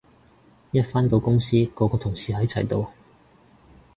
一返到公司個個同事喺齊度